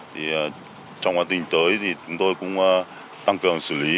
trong quá tình tới thì chúng tôi cũng tăng cường xử lý